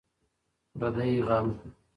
پردی غم `